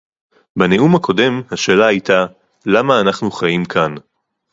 בנאום הקודם השאלה היתה: למה אנחנו חיים כאן